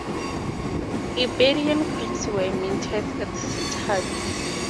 Iberian coins were minted at "Setabi".